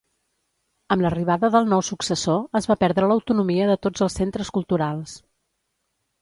Amb l'arribada del nou successor es va perdre l'autonomia de tots els centres culturals.